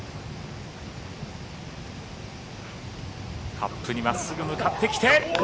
カップにまっすぐ向かってきて。